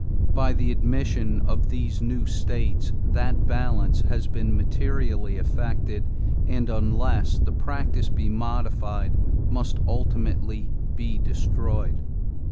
By the admission of these [new] states that balance has been materially affected and unless the practice be modified must ultimately be destroyed.